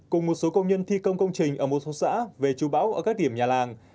cùng một số công nhân thi công công trình ở một số xã về chú bão ở các điểm nhà làng